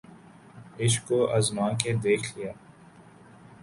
عشق کو آزما کے دیکھ لیا